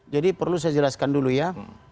jadi perlu saya jelaskan dulu ya